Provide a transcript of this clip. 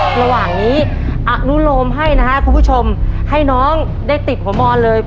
ระหว่างนี้อนุโลมให้นะฮะคุณผู้ชมให้น้องได้ติดหัวมอนเลย